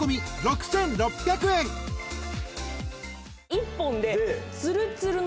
１本で。